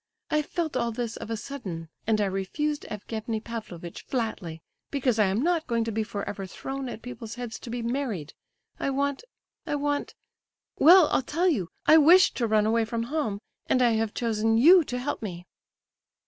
I felt all this of a sudden, and I refused Evgenie Pavlovitch flatly, because I am not going to be forever thrown at people's heads to be married. I want—I want—well, I'll tell you, I wish to run away from home, and I have chosen you to help me."